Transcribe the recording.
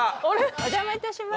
お邪魔いたします。